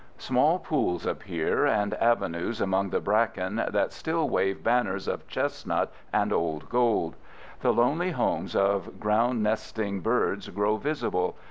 Small pools appear, and avenues among the bracken that still wave banners of chestnut and old gold. The lonely homes of ground nesting birds grow visible.